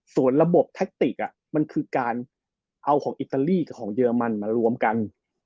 ส่วนระบบแทคติกมันคือการเอาของอิตาลีกับของเยอรมันมารวมกัน